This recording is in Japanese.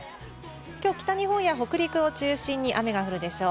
北日本や北陸を中心に雨が降るでしょう。